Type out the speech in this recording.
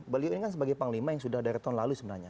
beliau ini kan sebagai panglima yang sudah dari tahun lalu sebenarnya